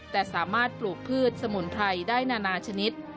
แต่สามารถปลูกพืชสมุนไพรได้นานาชนิด